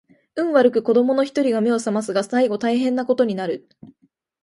運悪く子供の一人が眼を醒ますが最後大変な事になる